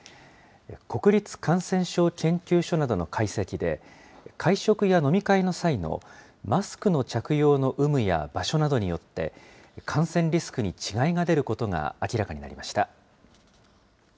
国立感染症研究所などの解析で、会食や飲み会の際のマスクの着用の有無や場所などによって、感染リスクに違いが出ることが明らかになりました。